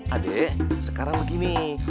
adek sekarang begini